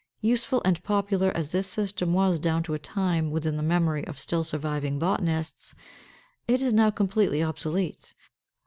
Useful and popular as this system was down to a time within the memory of still surviving botanists, it is now completely obsolete.